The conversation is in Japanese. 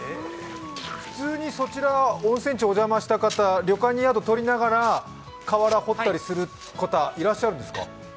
普通にそちら温泉地お邪魔した方、旅館に宿取りながら河原掘ったりする方はいらっしゃるんですか？